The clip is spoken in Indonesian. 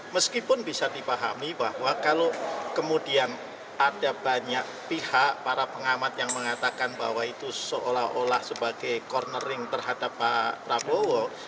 meskipun bisa dipahami bahwa kalau kemudian ada banyak pihak para pengamat yang mengatakan bahwa itu seolah olah sebagai cornering terhadap pak prabowo